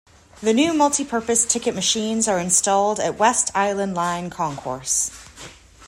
The new multi-purpose ticket machines are installed at West Island Line concourse.